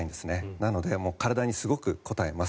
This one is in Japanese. なので体にすごくこたえます。